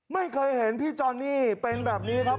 ไม่เคยเห็นพี่จอนนี่เป็นแบบนี้ครับ